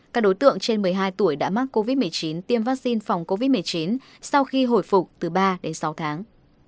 các đối tượng trên một mươi hai tuổi đã mắc covid một mươi chín tiêm vaccine phòng covid một mươi chín sau khi hồi phục từ ba đến sáu tháng